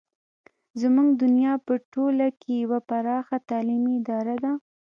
زموږ دنیا په ټوله کې یوه پراخه تعلیمي اداره ده.